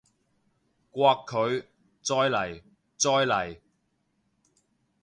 摑佢！再嚟！再嚟！